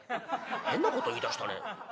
「変なこと言いだしたね。